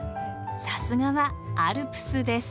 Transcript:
さすがはアルプスです。